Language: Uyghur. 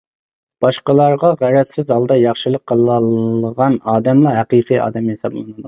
باشقىلارغا غەرەزسىز ھالدا ياخشىلىق قىلالىغان ئادەملا ھەقىقىي ئادەم ھېسابلىنىدۇ.